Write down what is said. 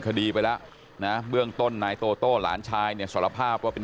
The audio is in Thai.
คดีไปแล้วนะเบื้องต้นนายโตโต้หลานชายเนี่ยสารภาพว่าเป็น